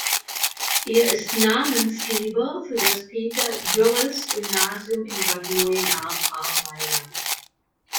Er ist Namensgeber für das Peter-Joerres-Gymnasium in Bad Neuenahr-Ahrweiler.